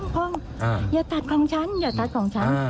ห้องอย่าตัดของฉันอย่าตัดของฉัน